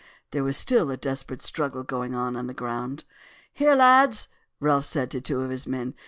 There was still a desperate struggle going on on the ground. "Here, lads," Ralph said to two of his men.